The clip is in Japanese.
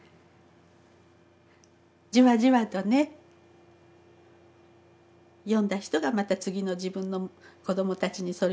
じわじわとね読んだ人がまた次の自分の子どもたちにそれを伝えてね